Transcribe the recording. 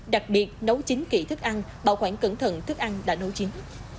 đặc biệt nấu chính kỹ thức ăn bảo quản cẩn thận thức ăn đã nấu chín